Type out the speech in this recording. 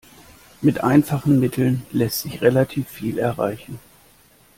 Mit einfachen Mitteln lässt sich relativ viel erreichen.